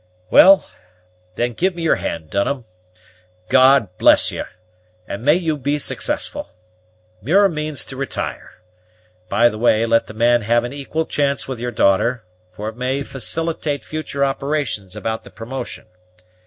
"Well, then, give me your hand, Dunham. God bless you! and may you be successful! Muir means to retire, by the way, let the man have an equal chance with your daughter, for it may facilitate future operations about the promotion.